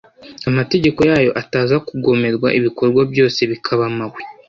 amategeko yayo ataza kugomerwa, ibikorwa byose bikaba mahwi